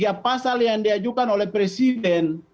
dari tiga pasal yang diajukan oleh presiden